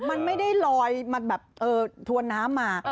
มันไม่ได้ลอยมาแบบถวนน้ำมา